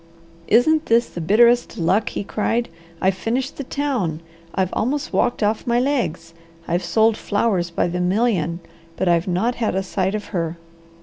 "Isn't this the bitterest luck!" he cried. "I've finished the town. I've almost walked off my legs. I've sold flowers by the million, but I've not had a sight of her."